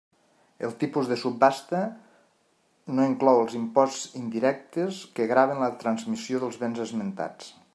El tipus de subhasta no inclou els imposts indirectes que graven la transmissió dels béns esmentats.